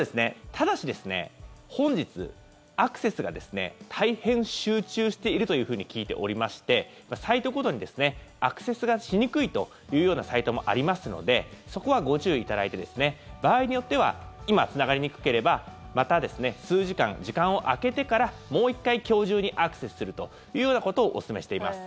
ただし、本日、アクセスが大変集中しているというふうに聞いておりましてサイトごとにアクセスがしにくいというようなサイトもありますのでそこはご注意いただいて場合によっては今つながりにくければまた数時間、時間を空けてからもう１回、今日中にアクセスするというようなことをおすすめしています。